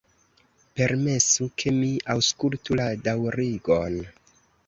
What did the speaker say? Permesu, ke mi aŭskultu la daŭrigon.